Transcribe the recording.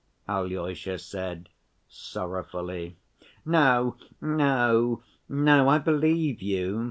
Alyosha said sorrowfully. "No, no, no. I believe you.